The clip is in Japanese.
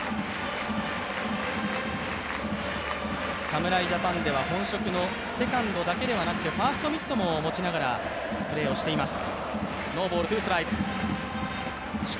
侍ジャパンでは本職のセカンドだけではなくてファーストミットも持ちながらプレーをしています。